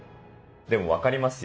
でも分かりますよ。